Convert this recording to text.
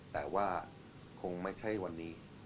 แต่ว่าคงไม่ใช่วันนี้